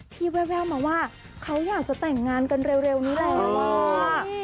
แววมาว่าเขาอยากจะแต่งงานกันเร็วนี้แล้ว